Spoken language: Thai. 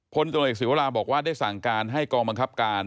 พศศิวาราบอกว่าได้สั่งการให้กองบังคับการ